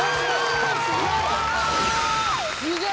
すごい！